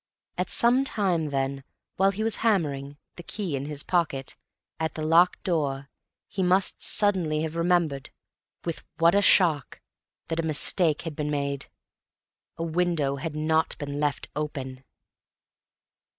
At some time, then, while he was hammering (the key in his pocket) at the locked door, he must suddenly have remembered—with what a shock!—that a mistake had been made. A window had not been left open!